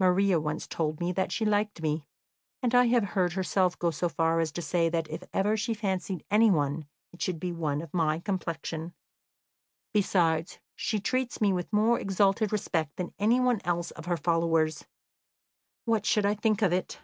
"Maria once told me that she liked me, and I have heard herself go so far as to say that if ever she fancied anyone, it should be one of my complexion. Besides, she treats me with more exalted respect than any one else of her followers. What should I think of it?"